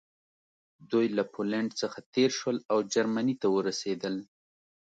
دوی له پولنډ څخه تېر شول او جرمني ته ورسېدل